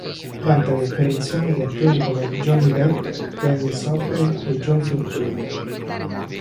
Vanta le apparizioni di attori come Johnny Depp, Dennis Hopper, e John Turturro.